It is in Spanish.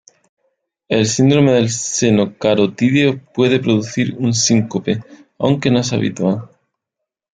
El síndrome del seno carotídeo puede producir un síncope, aunque no es habitual.